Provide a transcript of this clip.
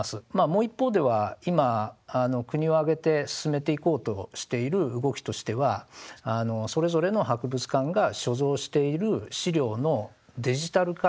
もう一方では今国を挙げて進めていこうとしている動きとしてはそれぞれの博物館が所蔵している資料のデジタル化。